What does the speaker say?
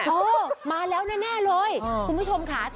เออมาแล้วแน่เลยคุณผู้ชมค่ะ